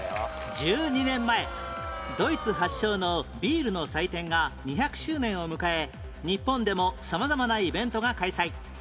１２年前ドイツ発祥のビールの祭典が２００周年を迎え日本でも様々なイベントが開催